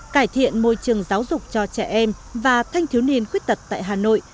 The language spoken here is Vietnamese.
cải thiện môi trường giáo dục cho trẻ em và thanh thiếu niên khuyết tật tại hà nội